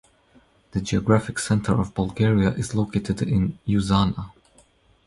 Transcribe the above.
The geographic center of Bulgaria is located in Uzana.